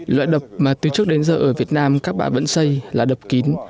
loại đập mà từ trước đến giờ ở việt nam các bạn vẫn xây là đập kín